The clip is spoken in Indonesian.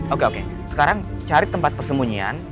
oke oke sekarang cari tempat persembunyian